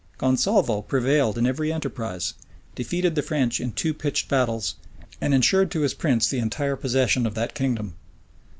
Gonsalvo prevailed in every enterprise, defeated the French in two pitched battles, and insured to his prince the entire possession of that kingdom.